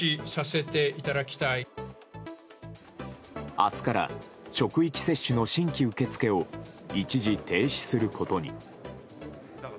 明日から職域接種の新規受け付けを一時停止することに。